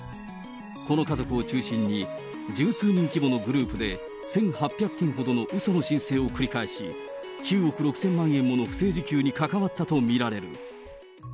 この家族を中心に、十数人規模のグループで１８００件ほどのうその申請を繰り返し、９億６０００万円もの不正受給に関わったと見られる。